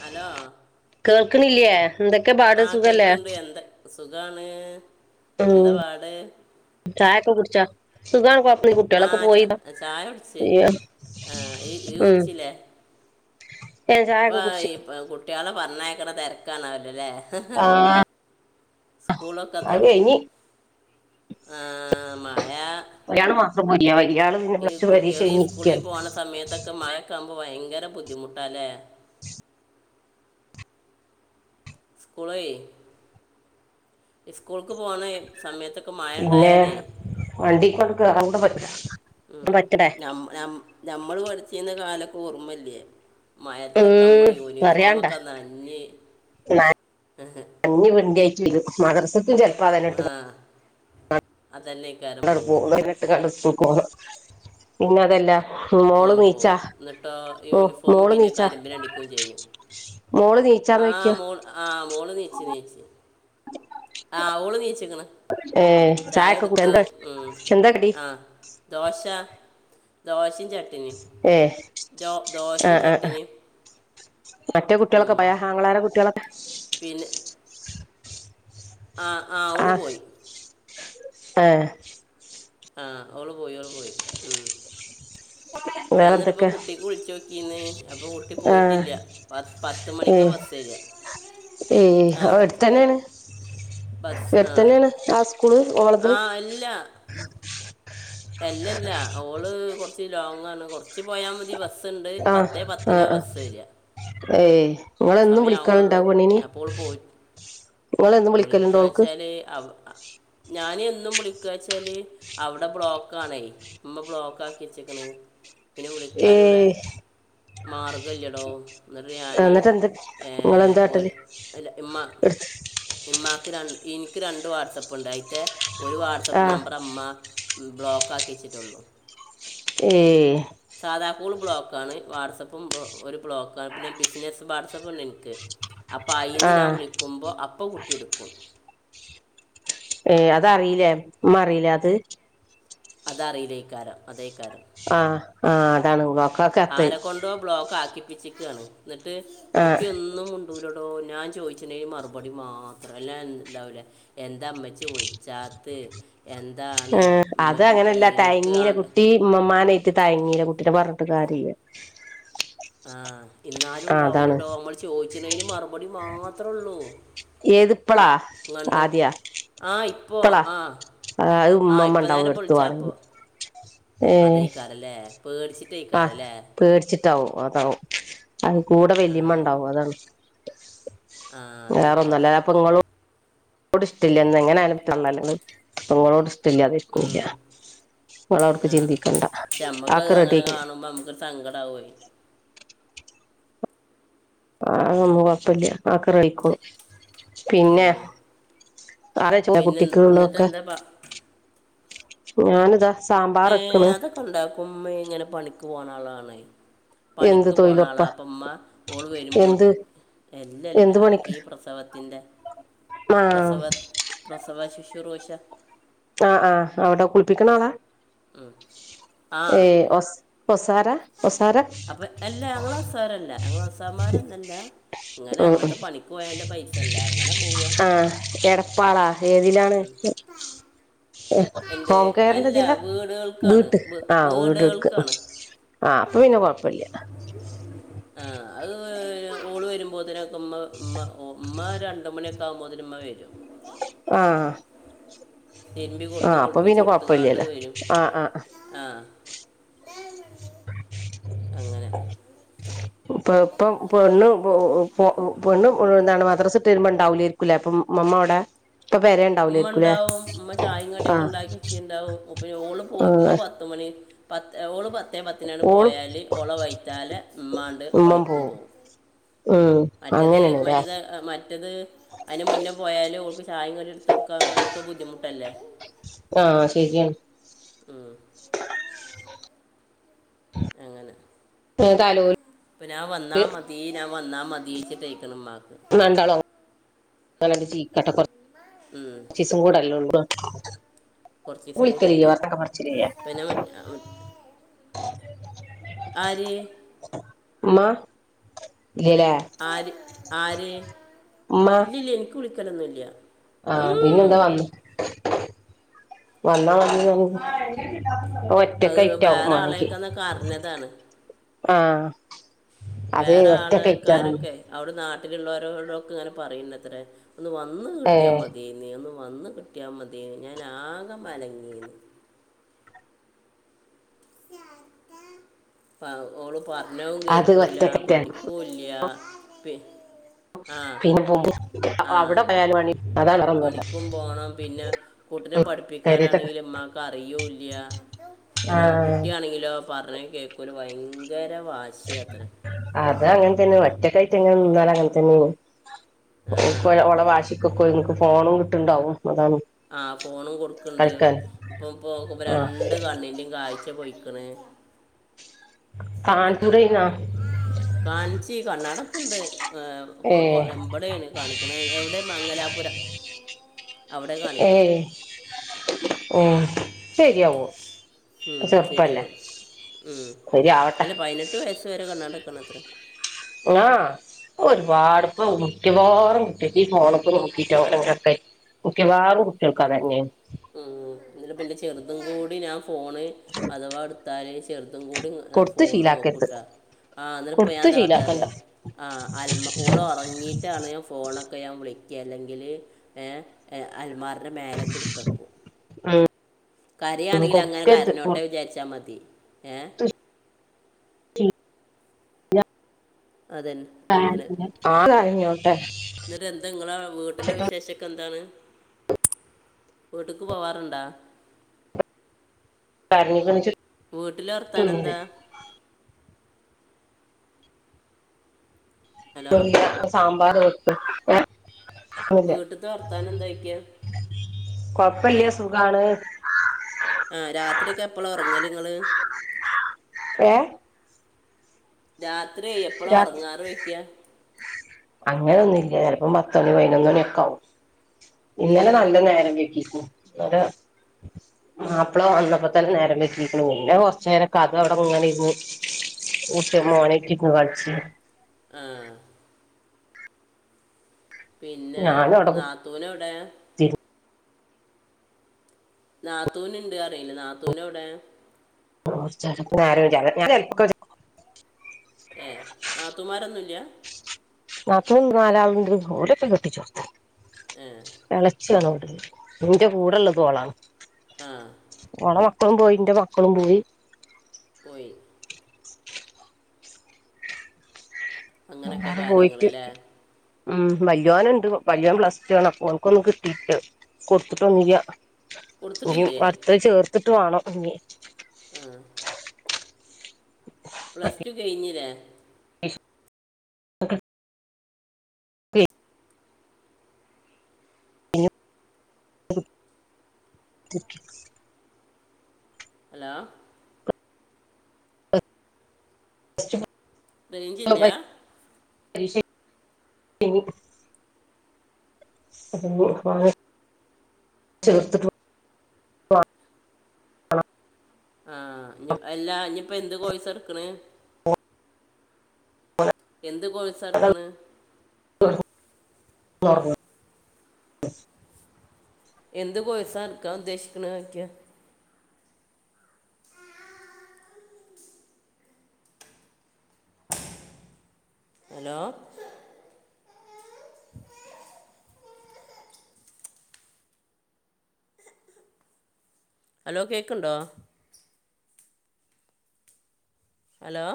Hello കേൾക്കണില്ലേ എന്തൊക്കെ പാട് സുഖല്ലേ സുഖാണ് എന്താ പാട് സുഖാ കൊഴ ആഹ് ചായ കുടിച്ച് ആഹ് ഈ ഇയ്യ്‌ ഉം കുടിച്ച്ല്ലേ ചായൊക്കെ കുടിച്ച് കുട്ടികളെ പറഞ്ഞയക്ക്ണ തിരക്കാണാവല്ടെ ല്ലേ ആഹ് സ്കൂളൊക്കെ തൊ ആ മഴ ഒരാള് മാത്രം പോരിയാ വലിയാള് പിന്നെ ഈ പ്ലസ് ടു പരീക്ഷ കുട്ടികൾ ഈ സ്കൂളിൽ കഴിഞ്ഞിരിക്കയാണ് പോണ സമയത്തൊക്കെ മഴക്കമ്പ ഭയങ്കര ബുദ്ധിമുട്ടല്ലേ സ്കൂള സ്കൂൾക്ക് പോണ സമയത്തൊക്കെ മഴ പിന്നെ ഉണ്ടായാലേ വണ്ടി കൊണ്ട് കേയറണ്ട പറ്റില്ല ഉം ഞമ്മള് പഠിച്ചുന്ന കാലൊക്കെ ഓർമ്മല്ലയേ മയത്തൊക്കെ നമ്മൾ ഉം പറയാണ്ട യൂണിഫോമൊക്കെ നനഞ്ഞ് മദർസത്തിും ചെിലപ്പ അത ആ ഇട്ട് [unintelligible] അതന്നെ ഇക്കാരം ക പോു പോവുക എന്നിട്ട് കണ്ട പോു പിന്നെ അതല്ല [unintelligible] ആ മോള് പോ നീച്ചാ എന്നിട്ടോ മോ യൂണിഫോമ മോള് പിന്നെ നീച്ചാ കരിമ്പിന അടിക്കയും ചെയ്യും മോള് നീച്ചാന്ന് ആ ചോദിക്കാ മോൾ ആ മോള് ബി സ് സി നേഴ്സ് ആ ആവോളം ഏ ചായക്ക കൂട എന്ത ഉം. ചന്ത കടി ആ ദോശ ദോശയും ചേട്ടക്ക ഏ ചോ ആ ദോശയും ആ ചട്ടന്ിയ മറ്റേ കുട്ടികളൊക്കെ പയഹാങ്കളാര കുട്ടികളൊക്കെ പിന്ന [unintelligible] ആ ആ അവഓള് പോയി ആഏ ആഹ് അവഓള് പോയി അവഓള് പോയി ഉ ഞൻ എന്നിട്ട ഇപ്പോ വേറെന്തൊക്കെ കുട്ടിക്ക് വിളിച്ചു ന്ന് അപ്പൊ കുട്ടി ആ പോയിട്ടില്ല പ പത്ത് മണിക്ക് ബസ് വരിക ആ ഏയ്വിടുത്ത എടുത്ത് തന്നെയാണ് എവിടുത്തന്നെയാണ് ആ സ്കൂള് ഓളത് ആഹ എല്ല അല്ലല്ല ഓള് കൊറ കുറച്ച് ലോങ്ങ ആണ് കുറച്ച് പോയാൽ മതി ബസ്സ് ആഹ് ആഹ ആഹ ഏ നിങ്ങളും സമയം ആവണുള്ളൂ വിളിക്കാനുണ്ടാവ പണി അപ്പോൾ ഓള് പോയി നിങ്ങളും വിളിക്കലുണ്ടോ അവൾക്ക് അ് [unintelligible] ഞാന എന്നും വിളിക്കച്ചാല് അവിടെ ബ്ലോക്ക് ആണേ അമ്മ ബ്ലോക്ക് ആക്കിച്ചേക്കണ് പിന്നെ ഏ വിളിക്കാനുള്ള മാർഗംമല്ലടോ എന്നിട്ട് ഞാന് നിങ്ങളെന്താട്ടത് എടു ഉമ്മാക്ക് ര എനിക്ക് രണ്ട് വാട്സആപ്പ് ഉണ്ട് അയിത്തെ ഒരു ആ വാട്്സആപ്പ് നമ്പർ അമ്മ ബ്ലോക്ക് ആക്കി വെച്ചിട്ടുള്ളൂ ഏ [unintelligible] കാതാക്കൂൾ ബ്ലോക്കാണ് വാട്സആപ്പും ഒരു ബ്ലോക്കാണ് പിന്നെ ബിസിനസ്സ് വാട്സആപ്പുണ്ട് എനിക്ക് അപ്പൊ അയിന്ന് ആ ഞാൻ വിളിക്കുമ്പോ അപ്പ കുട്ടി എടുക്കും ഏ അതറിയിലേ ഉ അറിയില അത് അതഅറിലെയ്കാരം അതേയ്കാരം ആഹ് ആഹ് അതാണ് ഉകം ആരകൊണ്ടോ ബ്ലോക്ക് ആക്കിപ്പിച്ചിക് ആണ് ന്നട്ട് ആഹ് കുട്ടിയൊന്നും മുണ്ടൂലൊ ട്ടോ ഞാൻ ചോയ്ച്ച്ണെന് മറുപടി മാത്രം എല്ല എന്ത് ണ്ടാഊലെ എന്താ മ്മച്ചി വിള്ച്ചാത്ത് ആ അത് അങ്ങന അല്ല എനിക്ക് തയ്ങ്ങിലെ ആ- കുട്ടി ഇമ്മമാനെ റ്റ് തയങ്ങീല കുട്ടിന പറഞ്ഞിട്ടൂം കാര്യ ഇല്ല ആ ഇന്നാലും ണ്ടാഊലടോ അമ്മള് ചോയ്ച്ച്ണേന് മറുപടി മാത്ര ഒള്ളൂ ഏത് പ്പളാ ആദിആ ആ ഇപ്പോ ആ അത് ആ ഉമ്മമ്മ ഇപ്പന്നേര ഉണ്ടാവും പ്പം എടുത്തു ൾച്ചാപ്പോ വാണെങ്കി ഏഹ് അതെയ്ക്കാര ല്ലേ പേട്ച്ചിട്ടെയ്ക്കാര ല്ലേ ട്ടാഉം അതാഉം അയ് കൂട ആ വെല്ലിമ്മ ണ്ടാഉം അതാണ് ആ വേറൊന്നു അതേക്കാരം എല്ലാ പ്പെങ്ങളും ന്നോട് ഷ്ടില്ലന്ന് എങ്ങനയലും തള്ളലള് പെങ്ങളോട് ഉം, ഇഷ്ടല്ലാതിരിക്കൂല ങ്ങളൗട്ക്ക് ആ ചിന്തിക്കണ്ട പക്ഷെ നമ്മക്കത് അഒക്ക റെഡി അങ്ങനെ അയ്കൊളു കാണുമ്പോൾ നമുക്കൊരു സങ്കടമാവുമേ ഏ ആയ്നൊന്നും കൊയ്പ്പല്ല ആഒക്കറൈയ്ക്കോളും പിന്നെ ഉം. ആറയ്ചൂലേ പിന്നെ എന്നിട്ട് കുട്ടിക്ള്ളൊക്കേ എന്താ പ- ഞാന് താ സാമ്പാറ് എക്ക്ണ് ഉമ്മേയ്ങ്ങനെ പണിക്ക് പോണ ആളാണ് എന്ത് പണിക്ക് പോണ ആളാ തൊഴിലുറപ്പാ അപ്പ മ്മ ഓള് എന്ത് വരുമ്പോത് എല്ലല്ല എന്ത് പണിക്ക് ഈ പ്രസവത്തിന്റെ ആ പ്രസവ പ്രസവ ശിശ്റുഷ ആ ആ ഔടെ കുളിപ്പിക്ക്ണ ആളാ മ് [unintelligible] ഏഹ് ഒസ് ഒസാരാ? അപെ എല്ല ഞങ്ങളൊസ്സാരല്ല ഞങ്ങളൊസ്സാംമാരൊന്നു എല്ല മ് മ് അങ്ങനെ പോവുക ആ എടപ്പാളാ ഏതിലാണ്? [unintelligible] എന്തേ കെയറിന്റെ അല്ല ഇതിലാ വീടുകൾക്കാണ് വീട്ട് വ് ആ വീട് എടുക്ക് വീടുകൾക്കാണ് ആ അപ്പം പിന്നെ കൊഴ്പ്പല്ല്യ ആഹ് അയ് ഓള് വരുമ്പോത്ത്നൊക്ക ഉമ്മ മ്മ ഓ മ്മാ രണ്ട്മണിഒക്ക ആഉമ്പോതിന് മ്മ വെരും ആഹ് തിര്മ്പി കൊട്ത്ത് കുളിപ്പിച്ച് ഒട്ത്ത്കാണ്ട് വെരും ആ ആ ആ അങ്ങനെ പ്പ പ്പം പെണ്ണും പോഉം പെണ്ണ് എന്താണ് മദ്റസ്ട്ട് എരുമ്പോ ഇണ്ടാഊലേര്ക്കുലേ അപ്പം മമ്മ ഔടെ മ്മ ണ്ടാഉം മ്മ ചായിം കടിഒക്ക ആഹ് ണ്ടാക്കി എച്ചി ണ്ടാഉം ഉപയോ ഓള് പോയ് മ്മ ആഹ് പത്തുമണി പത്തെ ഓളു പത് പത്തെേ പത്തിനാട്ട് ഓളും പോയാല് ഓള വൈത്താലെ മ്മാണ്ട് ഉമ്മം പണിക്കും പോവും പോഉം ഉം മറ്റത് അങ്ങനെയാണ്ല്ലേ മറ്റത് മറ്റത് അയ്ന് മുന്ന പോയാ ല് ഓൾക്ക് ചായിം കടിം ഇട്ത്തൊട്ക്കാൻ ഓക്ക് ബുദ്ധിമുട്ടല്ലേ ആഹ് ശെരി ആണ് ഉം, ങനെ താലോൽ പ്പം ഞാം വന്നാ മതി ഞാം വന്നാ മതിച്ചിട്ടയ്ക്ക്ണ് മ്മാ ഇന്നണ്ടാളും ങ്ങനണ്ട് ജീക്കട്ടെ ഉം, കൊർച്ചീസും കൂടല്ലെ ഒള്ളൂ [unintelligible] കുറച്ച് ദിവസം കൂടി വിളിക്കല അല്ലേ വർത്തക്കെ മറിച്ചില്ല്യ ആ മ ആര് ആര ഇല്ലല്ല എനിക്ക് വിളിക്കലൊന്നുംല്ല ആഹ പിന്നെ എന്താ വന്ന വന്ന അത് ഒറ്റക്കയിറ്റാവ വേറെ വേണെങ്കി ആളെയൊക്കെന്നൊക്കെ അറിഞ്ഞതാണ് ആഹ വേറെ ആൾക്കാരൊക്കെ അവിടെ നാട്ടിലുള്ളവരോടൊക്കെ ഇങ്ങനെ പറയുന്നത്രേ ഒന്ന് വന്ന് കിട്ടിയാൽ ഏഹ് മതി നീന്ന് വന്ന കിട്ടിയാൽ മതിയ ഞാൻ ആകെ അലങ്ങീന്ന് ഓള് പറഞ്ഞും അത് കേക്കൂല ഒറ്റക്കറ്റാണ് പഠിക്കൂല്ല പെ പിന്നെ പോ ആ അവിടെ വയാല വണി പണിക്കും പോണം പിന്നെ കൂട്ടനെ ഉം പെരേത്തൊക്കെ പഠിപ്പിക്കാനാണെങ്കില ഉമാക്ക് അറിയൂല്ല പിന്നെ ആഹ് കുട്ടിയാണെങ്കിലോ പറഞ്ഞ കേക്കല് ഭയങ്കര വാശി അത്ര അത അങ്ങനെ തന്നെ ഒറ്റക്കായിയിട്ട് എങ്ങനെ നിന്നാാല അങ്ങനെ തന്നെയ ആ അവള വാശിക്കൊക്കെ നിങ്ങക്ക് ഫോണും കിട്ടുണ്ടാവും അതാണ് ആഹ ഫോണും കൊടുക്കണ്ട് കളിക്കാൻ ഇപ്പൊ പോ ഇ ആഹ് രണ്ട് കണ്ണിന്റെയും കാഴ് ഒ പോൊയിക്കണ കാണട്ടറന കാണിച്ചു കണ്ണാടൊക്കെ ഉണ്ട് ഏഹ് എവിടെയാണ് കാണിക്കണ എവിടെ മംഗലാപുരം അവിടെ കാണിക്കണം ഏയ് ആ ശരിയാവോ ഉം ചെറുപ്പല്ലേ ശരിയാവും ഉം ശരിയാവട്ടെ അല്ല പതിനെട്ട് വയസ് വരെ കണാ ക്കണത്ര ആഹ ഒരുപാട് ഇപ്പ മുറ്റവാാറ മുട്ടട്ട് ഫോണൊക്കെ നോക്കിട്ടാൊക്കെ ക്കെ വേറും കുട്ടികൾക്കാതന്നെയെ ഉ എന്ന പിന്നെ ചെറുതും കൂടി ഞാ ഫോണ് അഥവാ എടുത്താല് ചെറു അതും കൂടി കൊടുത്ത് ഫോണ് ശീലാക്കരുത് നോക്കൂട്ടാ ആഹ നിപ്പ കൊടുത്ത് എന്താക്കട്ട ശീലാക്കണ്ട അറിയ ആ അമ ഓള ഉറങ്ങീട്ടാണ് ഞ ഫോൺ ഒക്കെ ഞാൻ വിളക്കുക അല്ലെങ്കിൽ അൽമാറിൻ്റെ മേലൊക്കെ എടുത്ത്ക്ക ഉം കരിയാണെങ്കിൽ അങ്ങനെ കൊടുക്കരുത് കരനോട്ടേ കൊടുത്ത് വിചാരിച്ചാ മതി ഏ അതന്നെ ആ അങ്ങനെ ആ കഞ്ഞോ എന്നിട്ട് എന്താ നിങ്ങളെ വീട്ടിലെ വിശേഷക്കെ എന്താണ് വീട്ടക്ക് പോവാറുണ്ടാ കണിക്കിച്ച വീട്ടില വർത്തൻ എന്താ ഹലോ സാമ്പാർ വെക്ക ആണില്ല വീട്ടിലത്തെ വർത്താനം എന്താ ചോദിക്കുക കൊഴപ്പില്ല സുഖാണ് ആഹ രാത്രി ഒക്കെ എപ്പളാ ഉറങ്ങല് നിങ്ങള് ഏഹ രാത്രിയ എപ്പളാ രാത്രി ഉറങ്ങാറ് വയ്ക്കാ ചിലപ്പം പത്ത മണി പതിനൊന്ന് മണിയൊക്കെ ആകും ഇന്നലെ ഏ നല്ല നേരം വക്കി അ മാപ്പിള വന്നപ്പോ തന്നെ നേരം വെറ്റിരിക്കണ പിന്നെ കൊറച്ച നേരൊക്കെ അത് അവിടെ ഇങ്ങനെ ഇരുന്നു ഉട്ട മന കട്ടണ പടച്ച ആഹ പിന്നെ ഞാനും അവിടെ നാത്തൂന എവിടെ കുത്തിരുന്ന് നാത്തൂന്ണ്ട് അറിയില്ല നാത്തൂന് എവിടെ [unintelligible] ഏ നാത്തുമാരൊന്നുല്ലേ നാത്തൂന് നാലാളുണ്ട് ഓലൊക്കെ കെട്ടിച്ചോട്ത്ത ഏ ഇന്റെ കൂടെ ഉള്ളത് ഓളാണ്. ആഹ് ഓളെ മക്കളും പോയി ന്റെ മക്കളും പോയി പോയി അങ്ങനൊക്കെയാ എല്ലാരും കാര്യങ്ങൾ പോയിട്ട് ല്ലേ ഉം വല്യോൻ ഉണ്ട് വല്യോൻ പ്ലസ് റ്റു ആണ് ഓൻക്ക് ഒന്നും കിട്ടീട്ട്ല്ല കൊടുത്തിട്ടൊന്നുല്ല. ഇനി കൊടുത്തിട്ടില്ലേ വർത്തത് ചേർത്തിട്ട് വേണം ഇനി ആ പ്ലസ് ടു കഴിഞ്ഞില്ലേ [unintelligible] [unintelligible] ഹലോ [unintelligible] റേഞ്ച് ഇല്ല പ [unintelligible] അപ്പോൾ ചേർത്തിട്ട് ആഹ് അല്ലാ ഇനിയിപ്പം എന്ത് കോഴസാ എടുക്കണത് എന്ത് കോഴ്സാ എടുക്കണെ [unintelligible] എന്ത് കോഴ്സ് ആണ് എടുക്കാൻ ഉദ്ദേശിക്കുന്നത് ചോയ്ക ഹലോ ഹലോ കേക്കുണ്ടോ ഹലോ